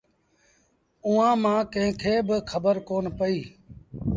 اُئآݩٚ مآݩٚ ڪݩهݩ کي با کبر ڪون پئيٚ